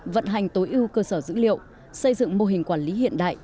vận hành tối ưu cơ sở dữ liệu xây dựng mô hình quản lý hiện đại